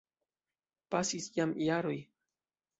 Pasis jam jaroj.